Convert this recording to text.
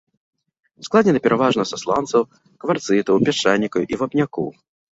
Складзены пераважна са сланцаў, кварцытаў, пясчанікаў і вапнякоў.